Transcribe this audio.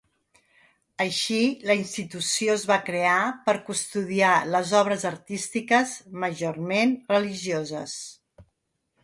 Així, la institució es va crear per custodiar les obres artístiques, majorment religioses.